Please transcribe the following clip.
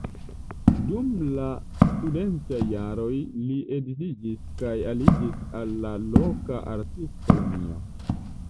Dum la studentaj jaroj li edziĝis kaj aliĝis al la loka artistkolonio.